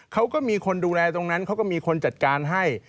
เขาก็มีคนดูแลตรงนั้นเขาก็มีคนจัดการให้